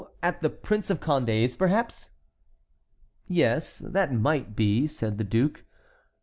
At the Prince of Condé's perhaps." "Yes, that might be," said the duke.